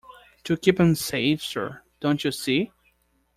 To keep 'em safe, sir, don't you see?